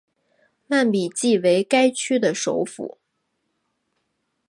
曼比季为该区的首府。